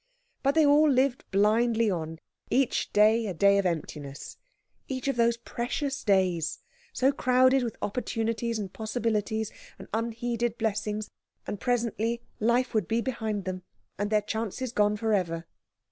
But they all lived blindly on, each day a day of emptiness, each of those precious days, so crowded with opportunities, and possibilities, and unheeded blessings, and presently life would be behind them, and their chances gone for ever.